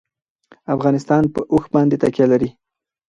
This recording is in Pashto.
افغانستان په اوښ باندې تکیه لري.